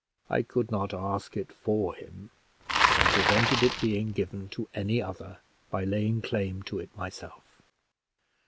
I could not ask it for him, but I prevented it being given to any other by laying claim to it myself.